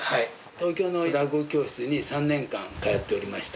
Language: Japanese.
東京の落語教室に３年間通っておりました。